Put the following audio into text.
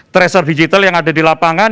tracer digital yang ada di lapangan